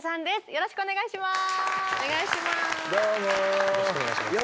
よろしくお願いします。